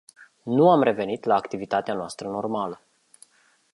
Nu am revenit la activitatea noastră normală.